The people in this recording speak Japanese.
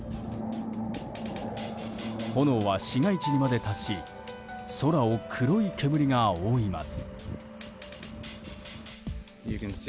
炎は市街地にまで達し空を黒い煙が覆います。